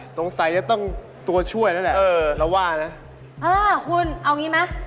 สงสัยจะต้องตัวช่วยแล้วแหละเออเราว่านะเออคุณเอางี้ไหม